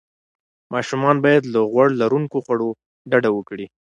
ماشومان باید له غوړ لروونکو خوړو ډډه وکړي.